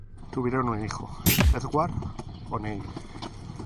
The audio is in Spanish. Tuvieron un hijo, Edward O'Neill.